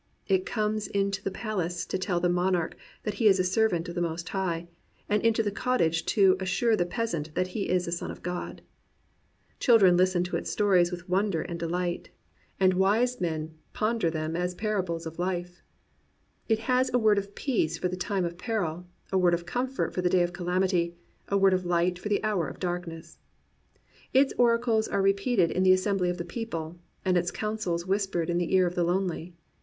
It comes into the pal ace to tell the monarch thai he is a servant of the Most High, and into the cottage to assure the peasant that he is a son of God. Children listen to its stories vyitk wonder and delight, and wise men ponder them a^ 11 COMPANIONABLE BOOKS sparables of life. It has a word of peace for the time of peril, a word of comfort for the day of calamity y a word of light for the hour of darkness. Its oracles are repeated in the assembly of the people, and its counsels whispered in the ear of the lonely.